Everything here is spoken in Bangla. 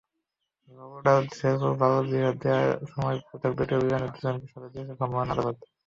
বগুড়ার শেরপুরে বাল্যবিয়ে দেওয়ার সময় পৃথক দুইটি অভিযানে দুজনকে সাজা দিয়েছেন ভ্রাম্যমাণ আদালত।